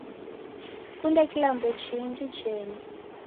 Sikunde kilambo chingi chenyu